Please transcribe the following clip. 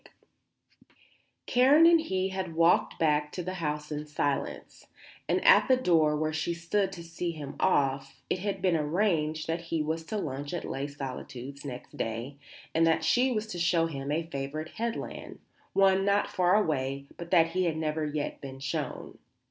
CHAPTER XI Karen and he had walked back to the house in silence, and at the door, where she stood to see him off, it had been arranged that he was to lunch at Les Solitudes next day and that she was to show him a favourite headland, one not far away, but that he had never yet been shown.